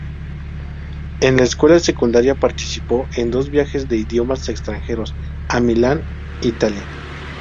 En la escuela secundaria, participó en dos viajes de idiomas extranjeros a Milán, Italia.